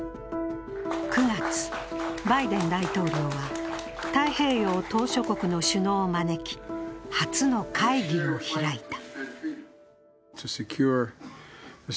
９月、バイデン大統領は太平洋島しょ国の首脳を招き、初の会議を開いた。